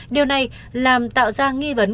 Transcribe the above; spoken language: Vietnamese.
điều này làm tạo ra nghi vấn